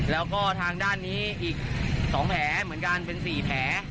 แล้วก็ทางด้านนี้อีก๒แผลเหมือนกันเป็น๔แผล